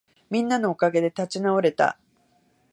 みんなのおかげで立ち直れた